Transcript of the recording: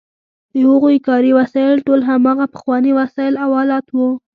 د هغوی کاري وسایل ټول هماغه پخواني وسایل او آلات وو.